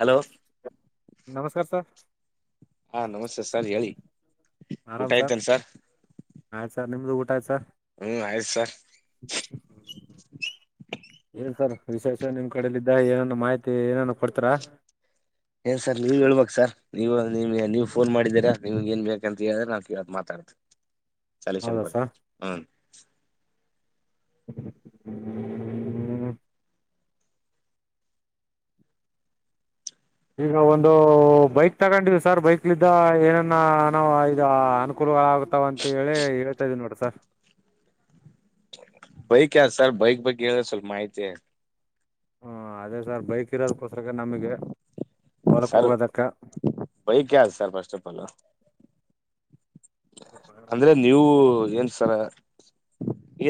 Hello ನಮಸ್ಕಾರ sir ಹಾ ನಮಸ್ತೆ ಸರ್ ಹೇಳಿ ಊಟ ಅಯ್ತೇನ್ ಸರ್ ಆಯ್ತು ಸರ್ ನಿಮ್ದು ಊಟಾಯ್ತ ಸರ್ ಹ್ಮ್ ಆಯ್ತ್ ಸರ್ ಏನ್ ಸರ್ ವಿಶೇಷ ನಿಮ್ ಕಡಲಿದ್ದ ಏನೇನು ಮಾಹಿತಿ ಏನೇನು ಕೊಡ್ತಿರಾ ಏನ್ ಸರ್ ನೀವು ಹೇಳ್ಬೇಕು ಸರ್ ನೀವು ನೀಮಗೆ ನೀವು ಫೋನ್ ಮಾಡಿದ್ದೀರಾ ನಿಮ್ಗೆ ನ್ ಬೇಕಂತ ಹೇಳಿದ್ರೆ ನಾವು ಕೇಳ್ ಮಾತಾಡ್ತೀನಿ ಸಲ್ಯೂಷನ್ ಕೊಡ್ತೀವ್ ಸರ್ ಹ್ಮ್ [inaudible] ಈಗ ಒಂದು ಬೈಕ್ ತಗೊಂಡ್ವಿ ಸರ್ ಬೈಕ್ಲಿಂದ ಏನನ್ನ ನಾವು ಇದು ಅನುಕೂಲಗಳಾಗುತ್ತಾವ ಅಂತೇಳಿ ಹೇಳ್ತಾ ಇದ್ದೀವ್ ನೋಡ್ರಿ ಸರ್ ಬೈಕ್ ಯಾವ್ದ್ ಸರ್ ಬೈಕ್ ಬಗ್ಗೆ ಹೇಳಿದ್ರ್ ಸ್ವಲ್ಪ್ ಮಾಹಿತಿ ಹ್ಮ ಅದೇ ಸರ್ ಬೈಕ್ ಇರದ್ಕೋಸ್ ರ್ಗ ನಮ್ಗೆ ಸರ್ ಬೈಕ್ ಯಾವ್ದ್ ಸರ್ ಫಸ್ಟ್ ಆಫಾಲ್ [inaudible] ಅಂದ್ರೆ ನೀವು ಏನ್ ಸರಾ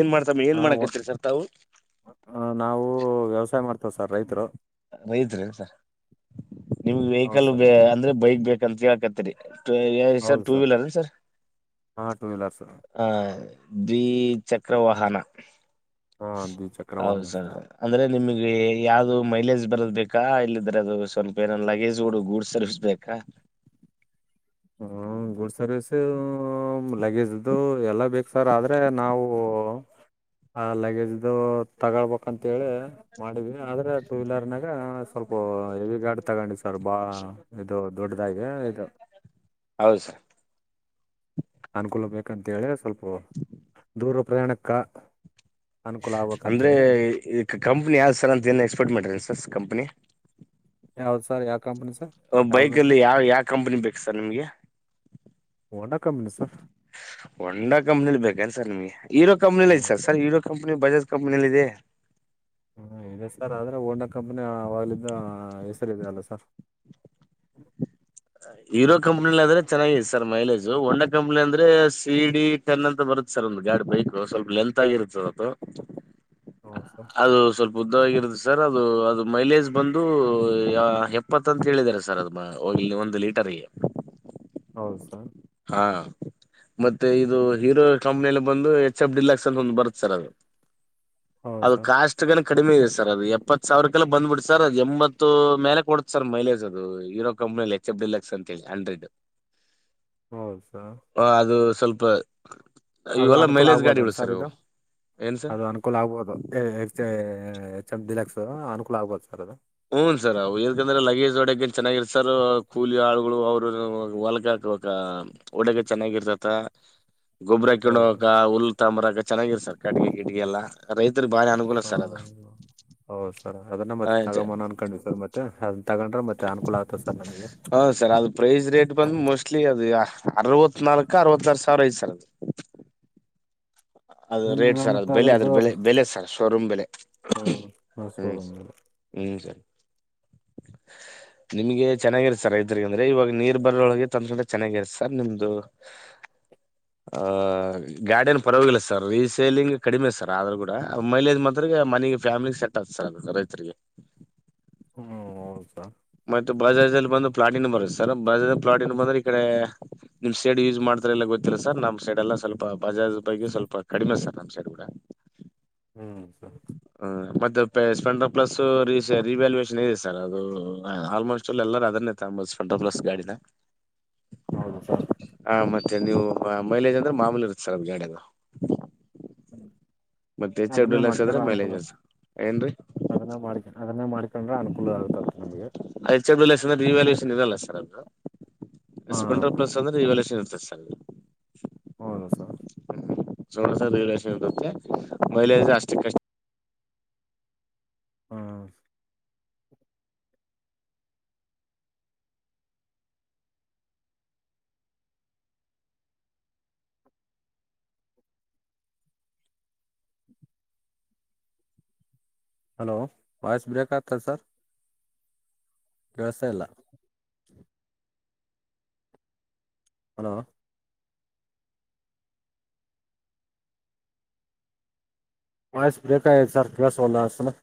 ಏನ್ ಮಾಡ್ತಮ್ಮ ಏನ್ ಹ ಮಾಡಕ್ಕತ್ರಿ ಸರ್ ತಾವು ತಿವ್ ಸರ್ ರೈತ್ರು ರೈತ್ರಿ ಸರ್ರ ನಿಮ್ಗೆ ಹೌದು ವೆಹಿಕಲ್ ಸರ್ ಬೇ ಅಂದ್ರೆ ಬೈಕ್ ಬೇಕ್ ಕಂತ್ ಹೇಳಾಕತ್ತೀರಿ ಅ--ಯಾವ್ದ್ರಿ ಸರ್ ಟು ವೀಲರ್ರೇನ್ರೀ ಸರ್ ಹಾ ಟೂ ವೀಲರ್ ಸರ್ ಹ ದ್ವಿ ಚಕ್ರವಾಹನ ಹಾ ದ್ವಿಚಕ್ರ ಹೌದು ವಾಹನ ಸರ್ ಅಂದ್ರೆ ನಿಮಿಗ್ ಗೆ ಯಾವ್ದು ಮೈಲೇಜ್ ಬರದ್ ಬೇಕಾ ಇಲ್ಲಿದ್ರೆ ಅದು ಸ್ವಲ್ಪ ಏನ ಲಗೇಜೋಡು ಗೂಡ್ ಸರ್ವಿಸ್ಬೇಕಾ ಹಾ ಗುಡ್ ಸರ್ವೀಸ ಲಗೇಜ್ದು ಎಲ್ಲ ಬೇಕು ಸರ್ ಆದ್ರೆ ನಾವು ಆ ಲಗೇಜ್ದ ತಗೊಳ್ಬೇಕಂತೇಳಿ ಮಾಡಿದ್ವಿ ಆದ್ರೆ ಟೂ ವೀಲರ್ನಾಗ್ ಗಾ ಸ್ವಲ್ಪ ಹೆವಿ ಗಾಡ್ ತಗೊಂಡ್ವಿ ಸರ್ ಬಾಳ ಇದು ದೊಡ್ಡದಾಗಿ ಇದ ಹೌದು ಸರ್ ಅನುಕೂಲ ಬೇಕಂತೇಳಿದ್ರೆ ಸ್ವಲ್ಪ ದೂರ ಪ್ರಯಾಣಕ್ಕ ಅನುಕೂಲ ಅಂದ್ರೆ ಆಗ್ಬೇಕಂತೇಳಿ ಈ ಕಂಪ್ನಿ ಯಾವ್ ಸರ ಅಂತ ಏನ್ ಎಕ್ಸ್ಪೆಕ್ಟ್ ಮಾಡ್ರ ಸ್ ಕಂಪನಿ ಯಾವ್ದ ಸರ್ ಯಾ ಬೈಕ್ಲ್ಲಿ ಯಾವ ಯಾವ ಕಂಪನಿ ಬೇಕು ಸರ್ ನಿಮ್ಗೆ Honda company sir Honda company ಬೇಕ ಸರ್ ನಿಮಗೆ ಹಿರೋ ಕಂಪನಿ ಸರ್ ಸರ್ರೋ ಕಂಪನಿ ಬಾಜಾಜ್ ಕಂಪ್ ಮನಲ್ಲಿದೆ ಹ್ಮ ಇದೆ ಸರ್ ಆದ್ರೆ ಓಂಡ ಕಂಪನಿ ಅವಲಿದ್ದ ಹೆಸರುದೆ ಅಲ್ಲ ಸರ್ [unintelligible] ಹೀರೋ ಕಂಪ್ನಲಿ ಅಂದ್ರೆ ಚೆನ್ನಾಗತ್ತು ಸರ್ ಮೈಲೇಜು ಒಂಡಾ ಕಂಪ್ನಿ ಅಂದ್ರೆ ಸಿಡಿ ಟೆನ್ ಅಂತ ಬರುತ್ತೆ ಸರ್ ಒಂದ್ ಗಾಡಿ ಬೈಕ್ ಸ್ವಲ್ಪ ಲೆಂತ್ ಆಗಿರುತ್ತ ಅದು ಹೌದು ಸರ್ ಅದು ಸ್ವಲ್ಪ ಉದ್ದವಾಗಿರುದು ಸರ್ ಅದು ಅದು ಮೈಲೇಜ್ ಬಂದು ಎಪ್ಪತ್ತ ಅಂತ ಹೇಳಿದ್ದಾರೆ ಸರ್ ಅದು ಇಲ್ಲಿ ಒಂದು ಲೀಟರ್ಗೆ ಹೌದು ಸರ್ ಹಾ ಮತ್ತೆ ಇದು ಹೀರೋ ಕಂಪ್ನಿಯಲ್ಲಿ ಬಂದು ಎ ಚಬ್ಡಿಲ್ಲಾಕ್ಸ್ ಅಂತ ಒಂದು ಬರುತ್ ಸರ್ ಅದು ಹೌದು ಅದು ಸರ್ ಕಾಸ್ಟ್ ಕನ ಕಡಿಮೆ ಇದೆ ಸರ್ ಅದು ಎಪ್ಪತ್ತು ಸಾವಿರಕ್ಕೆಲ್ಲ ಬ್ಬಿಬಿಡುತೆ ಸರ್ ಅದು ಎಂಬತ್ತು ಮೇಲೆ ಕೊಡತ ಸರ್ ಮೈಲೇಜ್ ಅದು ಈರೋ ಕಂಪ್ನಿಯಲ್ಲಿ ಎಚ್ ಎಫ ಡಿಲ್ ಎಕ್ಸ್ ಅಂತ ಹೇಳಿ ಹಂಡ್ರೆಡ್ ಹೌದ್ ಸರ್ ಅದು ಸ್ವಲ್ಪ ಅದು ಇವೆಲ್ಲ ಅನುಕೂಲ ಮೈಲೇಜ್ ಆಗ್ಬೋದ ಅಲ್ ಗಾಡಿಗಳು ಸರ್ ಇವು ಇದು ಏನ್ ಸರ್ ಅದು ಅನುಕೂಲ ಆಗ್ಬೋದು ಹೆಚ್ಚ್ ದಲಾಕ್ಸ್ರ್ ಅನುಕೂಲ ಆಗ್ಬಹದು ಸರ್ ಅದು ಹನ್ ಸರ್ ಏಕಂದ್ರೆ ಲಗೇಜ್ ಒಡಗನ್ ಚೆನ್ನಾಗಿರ್ತ ಸರ್ ಕೂಲಿ ಆಳುಗಳು ಅವ್ರ ಹೊಲ್ಕಾಕ ಒಡೆಗ ಚೆನ್ನಾಗಿರ್ತತ್ತ ಗೊಬ್ಬರ ಹೌದು ಸರ್ ಕಿಣಕ ಉುಲ್ ತಾಮ್ರ ಚೆನ್ನಾಗಿರ್ ಸರ್ ಕಡೆಗೆ ಗಿಡಿಗೆಲ್ಲ ರೈತ ಇದ್ರ್ ಭಾರಿ ಅನುಕೂಲ ಸಲ್ಲ ಅದ ಹಾಂ ಹೌದು ಅದನ್ನ ಮತ್ತೆ ತಗ ಮನ ಅನ್ ಕಂಡರ್ ಮತ್ತೆ ತಗೊಂಡ್ರೆ ಮತ್ತೆ ಅನುಕೂಲ ಆಗ್ತದೆ ಸರ್ ನಮಗೆ ಹಾ ಸರ್ ಅದು ಪ್ರೈಸ್ ರೇಟ್ ಬಂದು ಮೋಸ್ಟ್ಲಿ ಅದು ಅರವತ್ತು ಇತ್ನಾಲ್ಕು ಅರವತ್ಆರು ಸಾವಿರ ಐ್ತರ್ ಅದು ರೇಟ್ ಈಗ ಸರ್ ಅದು ಮತ್ತೆ ಬೆಲೆ ಅದ್ರ ಅದ್ರದ್ದು ಬೆಲೆ ಬೆಲೆ ಸರ್ ಶೋರೂಮ್ ಬೆಲೆ ಹ್ಞೂ ಹ್ಮ್ ಶೋರೂಮ್ ಹ್ಮ್ ಸರ್ ನಿಮ್ಗೆ ಚೆನ್ನಾಗಿರುತ್ತೆ ಸರ್ ಐದರಿರಿಗೆ ಅಂದ್ರೆ ಇವಾಗ ನೀರ್ ಬರೊಳಗೆ ತಂದಕ ಚೆನ್ನಾಗಿರುತ್ತೆ ಸರ್ ನಿಮ್ದು ಆಹ ಗಾಡಿಯನ್ ಪರವಾಗಿಲ್ಲ ಸರ್ ಸರ್ ರೀಸೇಲಿಂಗ್ ಕಡಿಮೆ ಸರ್ ಆದ್ರೂ ಕೂಡ ಮೈಲೇಜ್ ಮಾತ್ರಗೆ ಮನೆಗೆ ಫ್ಯಾಮಿಲಿ ಸೆಟ್ ಆತ ಸರ್ ಅ ರೈತರಿಗೆ. ಹ್ಮ ಹೌದಾ ಮತ್ತೆ ಬಜಾಜ್ ಅಲ್ಲಿ ಬಂದು ಪ್ಲಾಟಿನ್ ಬರುತ್ತೆ ಸರ್ ಬಜಾಜ್ ಪ್ಲಾಟಿನಾ ಬಂದ್ರೆ ಈ ಕಡೆ ನಿಮ್ ಸೈಡ್ ಯೂಸ್ ಮಾಡ್ತಾರೆ ಎಲ್ಲ ಗೊತ್ತಿಲ್ಲ ಸರ್ ನಮ್ ಸೈಡ್ ಎಲ್ಲ ಸ್ವಲ್ಪ ಬಜಾಜ್ ಬಗ್ಗೆ ಸ್ವಲ್ಪ. ಕಡಿಮೆ ಸರ್ ನಮ್ ಸೈಡ್ ಕೂಡ. ಹ್ಮ್ the phase fun the plus - sorry sir revaluation is - ಅದು ಆಲ್ಮೋಸ್ಟ್ ಆಲ್ ಎಲ್ಲರ ಅದನ್ನೇ ತೊಗೊಮ್ಬದು ಸ್ಪೆಂಡರ ಪ್ಲಸ್ ಗಾಡಿನ. ಹೌದು ಸರ ಆ ಮತ್ತೆ ನೀವು ಮೈಲೇಜ್ ಅಂದ್ರೆ ಮಾಮೂಲಿ ಇರುತ್ತ ಸರ್ ಅ ಗಾಡಿಯದು. [inaudible] [unintelligible] ಮತ್ತೆ ಹೆಚ್ಫ ಎಫ್ ಅದನ್ನೇ ಡಿಲಕ್ಸ್ ಅದ್ರೆ ಮಾಡ್ಕೊಂಡ್ರೆ ಅನುಕೂಲ ಮೈಲೇಜ್ಸ್ ಆಯ್ತು ಹೆಚ್ಚು ಏನ್ರಿ. ತಂದ್ರ ಅನುಕೂಲ ಆಗುತ್ತತ್ತು ನಮಗೆ. ಎಚ್ ಎಫ್ ಡಿಲಕ್ಸ್ ಅಂದ್ರೆ ರಿವ್ಯಾಲ್ಯಷನ್ ಇರಲ್ಲ ಸರ್ ಅದ - ಹಾಂ ಸ್ಪಂಡರ ಪ್ಲಸ್ ಅಂದ್ರೆ ರಿವ್ಯಾಲುವೇಷನ್ ಇತ್ತ ಸತ್ಸಂಗ ಹೌದಾ ಸರ್ [unintelligible] ಮೈಲಜ ಅಷ್ಟುಕ ಅಷ್ಟ. ಹ ಹಲೋ ವಾಯ್ಸ್ ಬ್ರೇಕ್ ಆಗ್ತಾದ ಸರ್. ವ್ಯವಸ್ಥೆ ಇಲ್ಲ - ಹಲೋ. ವಾಯ್ಸ್ ಬ್ರೇಕ ಆಗಿದೆ ಸರ್ ಕೇಳ್ಸವಲದ [inaudible]